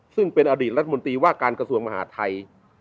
ซึ่งเป็นอดีตลัฐมนตรีว่าการกระจวงมหาภารกรรมไทย